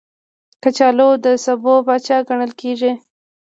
کچالو د سبو پاچا ګڼل کېږي